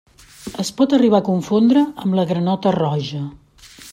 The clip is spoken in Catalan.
Es pot arribar a confondre amb la granota roja.